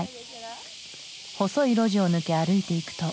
細い路地を抜け歩いていくと。